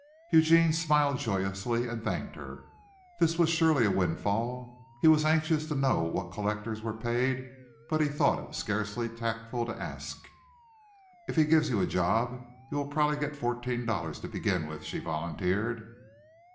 Eugene smiled joyously and thanked her. This was surely a windfall. He was anxious to know what collectors were paid but he thought it scarcely tactful to ask. "If he gives you a job you will probably get fourteen dollars to begin with," she volunteered.